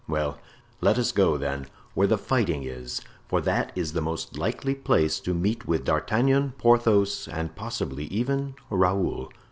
"Well, let us go, then, where the fighting is, for that is the most likely place to meet with D'Artagnan, Porthos, and possibly even Raoul.